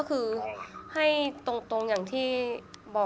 คุณพ่อได้จดหมายมาที่บ้าน